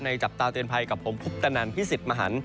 จับตาเตือนภัยกับผมคุปตนันพี่สิทธิ์มหัน